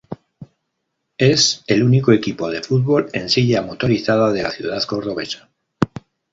Es el único equipo de fútbol en silla motorizada de la ciudad cordobesa.